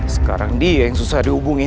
sekarang dia yang susah dihubungi